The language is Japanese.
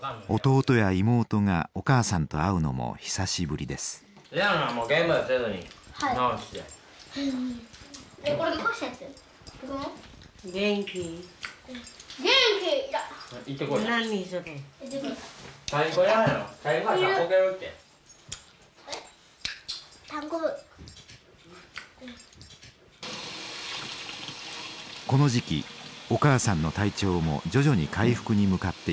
この時期お母さんの体調も徐々に回復に向かっていました。